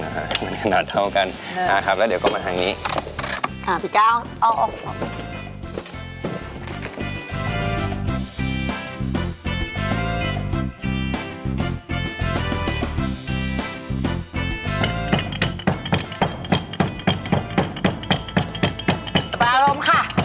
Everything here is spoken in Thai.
แต่ว่าถ้าเกิดว่าทุบแรงไปแล้วเดี๋ยวมันจะเละใช่ไหม